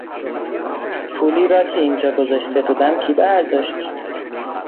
پولی را که اینجا گذاشته بودم کی برداشت؟